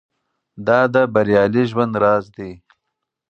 دا د بریالي ژوند راز دی.